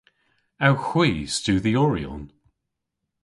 Ewgh hwi studhyoryon?